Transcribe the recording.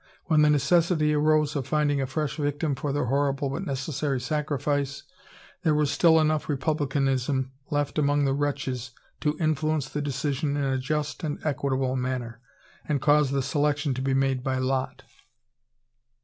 When the necessity arose of finding a fresh victim for their horrible but necessary sacrifice, there was still enough republicanism left among the wretches to influence the decision in a just and equitable manner, and cause the selection to be made by lot.